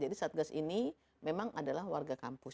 jadi satgas ini memang adalah warga kampus